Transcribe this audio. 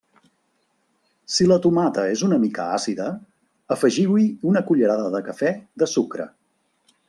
Si la tomata és una mica àcida, afegiu-hi una cullerada de cafè de sucre.